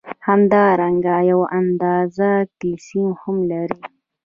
همدارنګه یو اندازه کلسیم هم لري.